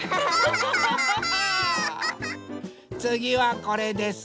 つぎはこれです。